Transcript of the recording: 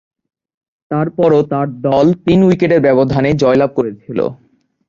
তারপরও তার দল তিন উইকেটের ব্যবধানে জয়লাভ করেছিল।